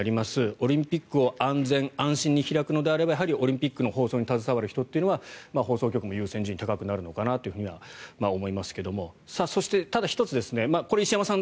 オリンピックを安全安心に開くのであればやはりオリンピックの放送に携わる人というのは放送局も優先順位が高くなるのかなと思いますがそして、ただ１つこれは石山さん